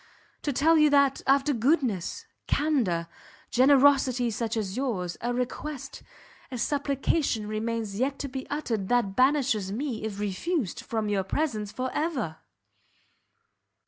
to tell you that, after goodness, candour, generosity such as yours, a request, a supplication remains yet to be uttered that banishes me, if refused, from your presence for ever!"